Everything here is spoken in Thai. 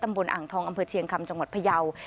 ตำบลอ่างทองเตระเชียงคำจังหวัดพยาว